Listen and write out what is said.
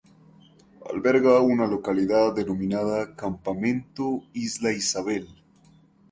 Alberga una localidad denominada: Campamento Isla Isabel.